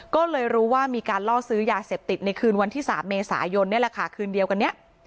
ก็เลยรู้ว่ามีการล่อซื้อยาเสพติดในคืนวันที่๓เมษายนนี่แหละค่ะคืนเดียวกันนี้